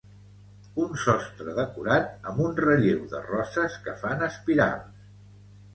Un sostre decorat amb un relleu de roses que fan espirals